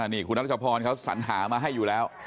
นี่คุณรัชพรเขาสัญหามาให้อยู่แล้ว